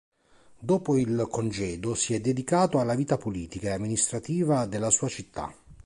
Dopo il congedo si è dedicato alla vita politica e amministrativa della sua città.